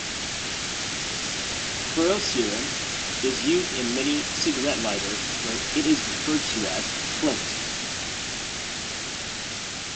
Ferrocerium is used in many cigarette lighters, where it is referred to as "flint".